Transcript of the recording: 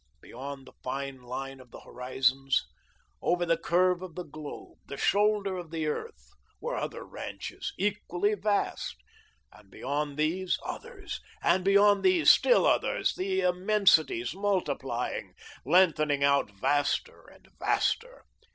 Beyond the fine line of the horizons, over the curve of the globe, the shoulder of the earth, were other ranches, equally vast, and beyond these, others, and beyond these, still others, the immensities multiplying, lengthening out vaster and vaster.